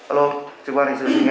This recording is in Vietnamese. alo trường quan hành sự xin nghe